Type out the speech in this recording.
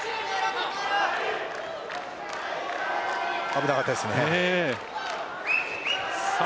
危なかったですね。